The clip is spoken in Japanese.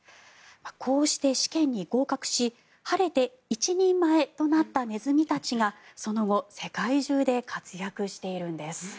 こうして、試験に合格し晴れて一人前となったネズミたちがその後世界中で活躍しているんです。